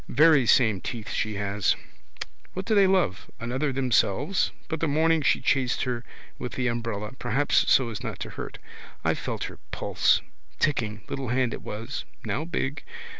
Very same teeth she has. What do they love? Another themselves? But the morning she chased her with the umbrella. Perhaps so as not to hurt. I felt her pulse. Ticking. Little hand it was: now big.